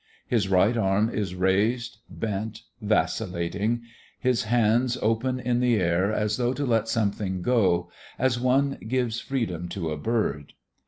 His right arm is raised, bent, vacillating. His hands open in the air as though to let something go, as one gives freedom to a bird.